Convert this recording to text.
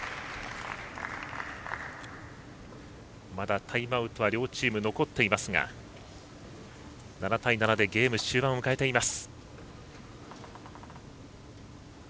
まだタイムアウトは両チーム残っていますが７対７でゲーム終盤を迎えています。